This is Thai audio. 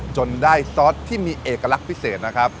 จนได้ซอสที่มีเอกลักษณ์พิเศษนะครับ